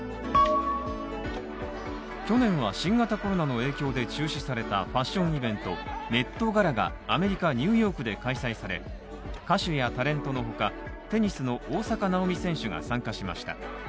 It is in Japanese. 去年は新型コロナの影響で中止されたファッションイベント、メット・ガラがアメリカ・ニューヨークで開催され歌手やタレントの他、テニスの大坂なおみ選手が参加しました。